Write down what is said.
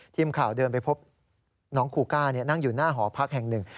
ทีมข่าวเดินไปพบน้องคูก้านั่งอยู่หน้าหอพักแห่งหนึ่ง